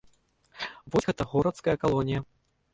Вось гэта горацкая калонія.